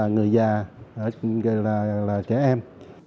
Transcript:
người già trẻ em